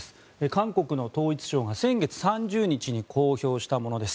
韓国の統一省が先月３０日に公表したものです。